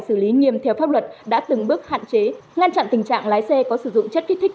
xử lý nghiêm theo pháp luật đã từng bước hạn chế ngăn chặn tình trạng lái xe có sử dụng chất kích thích